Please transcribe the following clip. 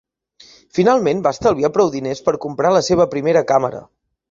Finalment, va estalviar prou diners per comprar la seva primera càmera.